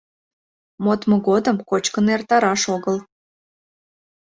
Модмо годым кочкын эртараш огыл.